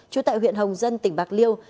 chú tại huyện hồng dân tỉnh bạc liêu